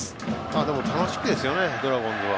でも楽しみですよねドラゴンズは。